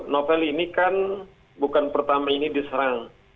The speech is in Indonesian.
novel ini kan bukan pertama ini diserang